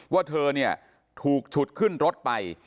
ว่าเธอเนี่ยถูกฉุดขึ้นรถไป